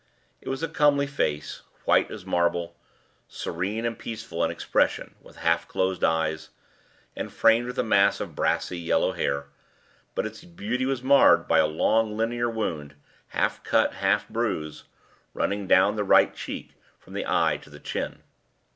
It was a comely face, white as marble, serene and peaceful in expression, with half closed eyes, and framed with a mass of brassy, yellow hair; but its beauty was marred by a long linear wound, half cut, half bruise, running down the right cheek from the eye to the chin.